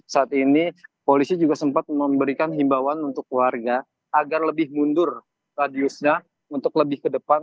saat ini polisi juga sempat memberikan himbawan untuk warga agar lebih mundur radiusnya untuk lebih ke depan